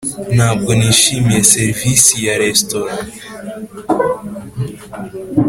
ntabwo nishimiye serivisi ya resitora.